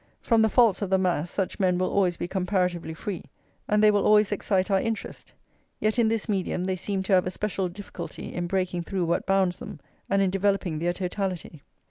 From the faults of the mass such men will always be comparatively free, and they will always excite our interest; yet in this medium they seem to have a special difficulty in breaking through what bounds them, and in developing their totality.